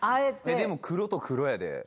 でも黒と黒やで。